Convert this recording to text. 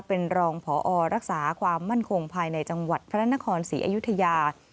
เป็นรองพอรักษาความมั่นคงภายในจังหวัดพระนครศรีอยุธยา